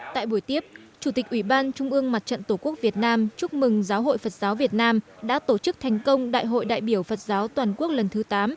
tại buổi tiếp chủ tịch ủy ban trung ương mặt trận tổ quốc việt nam chúc mừng giáo hội phật giáo việt nam đã tổ chức thành công đại hội đại biểu phật giáo toàn quốc lần thứ tám